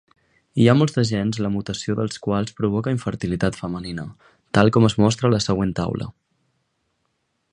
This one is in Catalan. Hi ha molts de gens la mutació dels quals provoca infertilitat femenina, tal com es mostra a la següent taula.